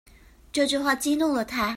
這句話激怒了他